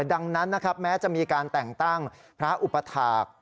ดังนั้นนะครับแม้จะมีการแต่งตั้งพระอุปถาค